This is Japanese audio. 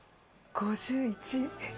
５１。